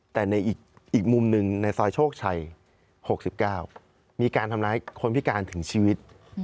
แต่ในอีกมุมหนึ่งในซอยโชคชัย๖๙มีการทำร้ายคนพิการถึงชีวิต